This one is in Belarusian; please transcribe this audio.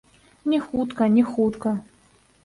Не хутка, не хутка.